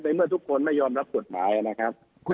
เมื่อทุกคนไม่ยอมรับกฎหมายนะครับ